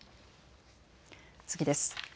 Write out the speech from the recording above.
次です。